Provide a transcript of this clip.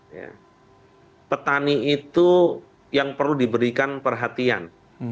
ya petani itu yang perlu diberikan perhatian